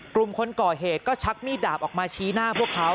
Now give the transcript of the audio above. กลุ่มคนก่อเหตุก็ชักมีดดาบออกมาชี้หน้าพวกเขา